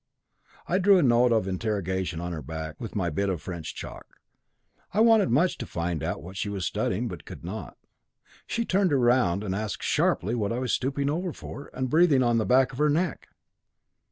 I drew a note of interrogation on her back with my bit of French chalk. I wanted much to find out what she was studying, but could not. She turned round and asked sharply what I was stooping over for and breathing on the back of her neck.